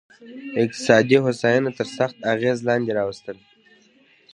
اقتصادي هوساینه تر سخت اغېز لاندې راوستل.